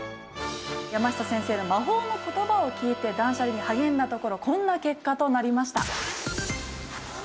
やました先生の魔法の言葉を聞いて断捨離に励んだところこんな結果となりました。